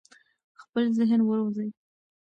خپل ذهن وروزی.